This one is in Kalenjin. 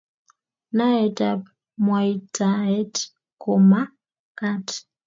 Naet ab mwaitaet komakat